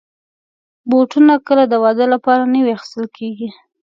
بوټونه کله د واده لپاره نوي اخیستل کېږي.